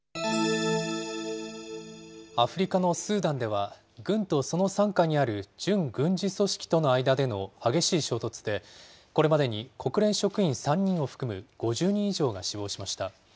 アフリカのスーダンでは、軍とその傘下にある準軍事組織との間での激しい衝突で、これまでに国連職員３人を含む５０人以上が死亡しました。